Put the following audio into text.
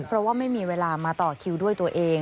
เพราะว่าไม่มีเวลามาต่อคิวด้วยตัวเอง